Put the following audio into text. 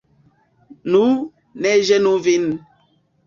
Nu, ne ĝenu vin!